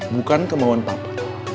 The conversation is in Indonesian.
bukan kemauan papa